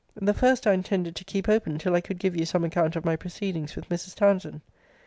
The FIRST I intended to keep open till I could give you some account of my proceedings with Mrs. Townsend.